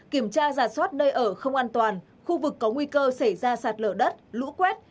kiểm tra giả soát nơi ở không an toàn khu vực có nguy cơ xảy ra sạt lở đất lũ quét